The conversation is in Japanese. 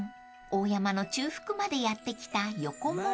［大山の中腹までやって来た横もも］